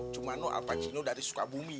cuman lo al pacino dari sukabumi